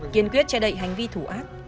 kiên quyết chạy đậy hành vi thủ ác